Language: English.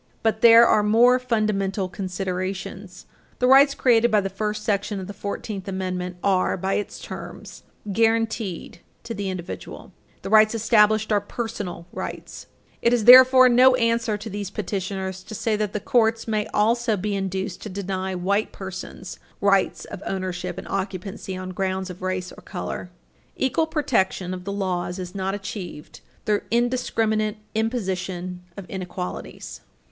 But there are more fundamental considerations. The rights created by the first section of the Fourteenth Amendment are, by its terms, guaranteed to the individual. The rights established are personal rights. [Footnote 29] It is, therefore, no answer to these petitioners to say that the courts may also be induced to deny white persons rights of ownership and occupancy on grounds of race or color. Equal protection of the laws is not achieved through indiscriminate imposition of inequalities.